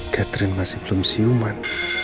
catherine masih belum siuman